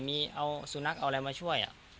มีสูณักเอาอะไรมาช่วย